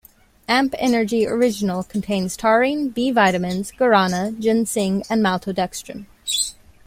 Amp Energy Original contains taurine, B-vitamins, guarana, ginseng and maltodextrin.